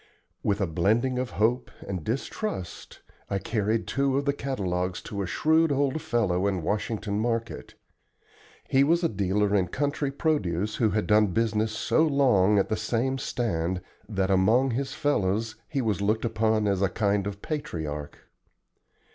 With a blending of hope and distrust I carried two of the catalogues to a shrewd old fellow in Washington Market. He was a dealer in country produce who had done business so long at the same stand that among his fellows he was looked upon as a kind of patriarch.